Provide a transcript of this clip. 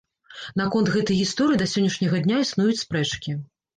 Наконт гэтай гісторыі да сённяшняга для існуюць спрэчкі.